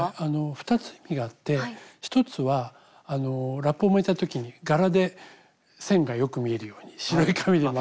２つ意味があって１つはラップを巻いた時に柄で線がよく見えるように白い紙で巻くっていうのが１つの意味です。